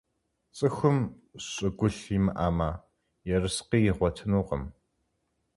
ЦӀыхум щӀыгулъ имыӀэмэ, ерыскъы игъуэтынукъым.